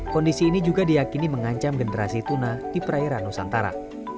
kondisi ini juga diakini mengancam generasi tuna di perairan nusantara